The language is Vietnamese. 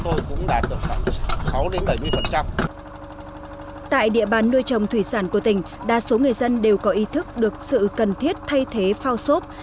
tại địa bàn nuôi trồng thủy sản của tỉnh đa số người dân đều có ý thức được sự cần thiết thay thế phao xốp